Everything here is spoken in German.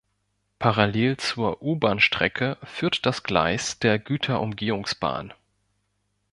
Parallel zur U-Bahn-Strecke führt das Gleis der Güterumgehungsbahn.